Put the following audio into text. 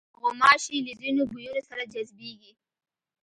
غوماشې له ځینو بویونو سره جذبېږي.